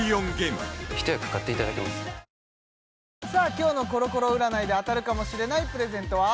今日のコロコロ占いで当たるかもしれないプレゼントは？